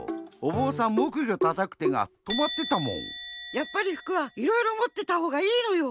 やっぱり服はいろいろもってたほうがいいのよ。